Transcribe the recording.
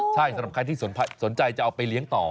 ใช่สำหรับใครที่สนใจจะเอาไปเลี้ยงต่อ